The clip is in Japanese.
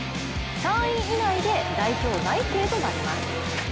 ３位以内で代表内定となります。